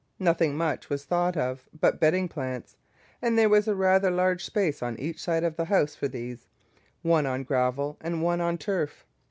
Nothing much was thought of but bedding plants, and there was a rather large space on each side of the house for these, one on gravel and one on turf.